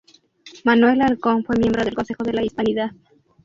Manuel Halcón fue miembro del Consejo de la Hispanidad.